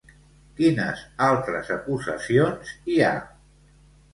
Quines altres acusacions hi ha?